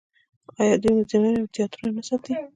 آیا دوی موزیمونه او تیاترونه نه ساتي؟